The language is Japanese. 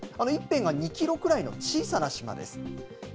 １辺が２キロくらいの小さな島です。